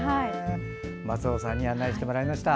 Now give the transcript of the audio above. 松尾さんに案内してもらいました。